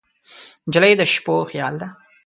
نجلۍ د شپو خیال ده.